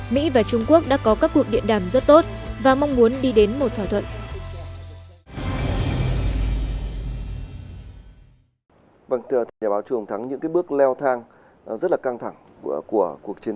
mỹ và trung quốc đã có các cuộc điện đàm rất tốt và mong muốn đi đến một thỏa thuận